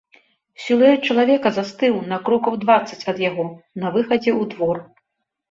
Сілуэт чалавека застыў на крокаў дваццаць ад яго, на выхадзе ў двор.